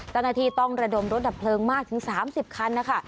ทันนาทีต้องระดมรถดับเพลิงมากถึงสามสิบคันนะคะ